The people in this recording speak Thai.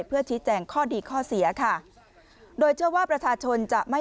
เพื่อชี้แจงข้อดีข้อเสียค่ะโดยเชื่อว่าประชาชนจะไม่